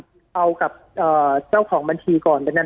ปากกับภาคภูมิ